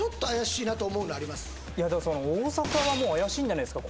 いや大阪はもう怪しいんじゃないですか？